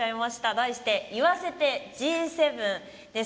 題して「言わせて！Ｇ７」です。